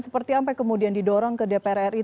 seperti sampai kemudian didorong ke dpr ri